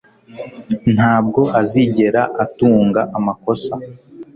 Ntabwo azigera atunga amakosa.